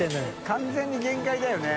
完全に限界だよね。